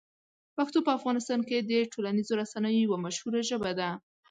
پښتو په افغانستان کې د ټولنیزو رسنیو یوه مشهوره ژبه ده.